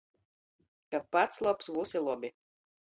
Ka pats lobs, vysi lobi.